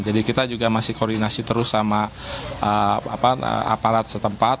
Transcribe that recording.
jadi kita juga masih koordinasi terus sama aparat setempat